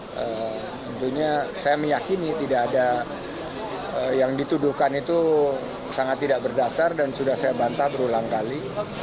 tentunya saya meyakini tidak ada yang dituduhkan itu sangat tidak berdasar dan sudah saya bantah berulang kali